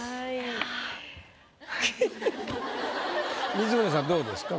光宗さんどうですか？